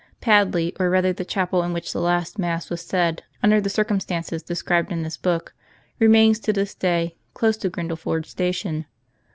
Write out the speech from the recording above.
Padley, or rather the chapel in which the last mass was s'aid under the circumstances described in this book, remains, to this day, close to Grindle ford Station.